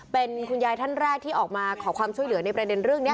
เป็นคุณยายท่านแรกที่ออกมาขอความช่วยเหลือในประเด็นเรื่องนี้